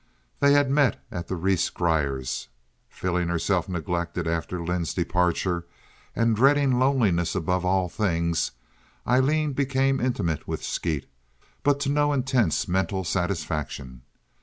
They had met at the Rhees Griers'. Feeling herself neglected after Lynde's departure, and dreading loneliness above all things, Aileen became intimate with Skeet, but to no intense mental satisfaction.